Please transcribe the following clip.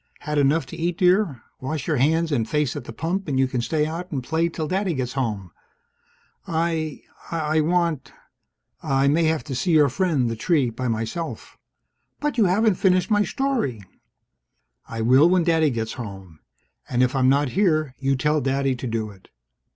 "Had enough to eat, dear? Wash your hands and face at the pump, and you can stay out and play till Daddy gets home. I I want I may have to see your friend, the tree, by myself ..." "But you haven't finished my story!" "I will when Daddy gets home. And if I'm not here, you tell Daddy to do it."